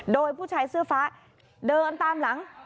โดยผู้ชายเสื้อฟ้าเดินตามหลัง